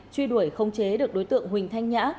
truy đuổi không chế được đối tượng huỳnh thanh nhã